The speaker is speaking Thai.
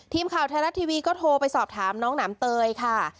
ทีมข่าวไทยรัฐทีวีก็โทรไปสอบถามน้องหนามเตยค่ะ